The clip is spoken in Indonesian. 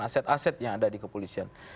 aset aset yang ada di kepolisian